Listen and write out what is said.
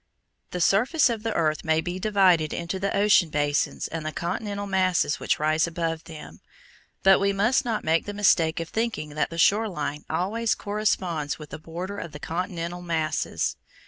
The surface of the earth may be divided into the ocean basins and the continental masses which rise above them, but we must not make the mistake of thinking that the shore line always corresponds with the border of the continental masses.